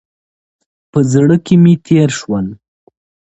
په زړه کې مې تېر شول.